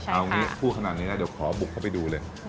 เอางี้พูดขนาดนี้แล้วเดี๋ยวขอบุกเข้าไปดูเลย